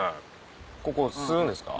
ここ吸うんですか？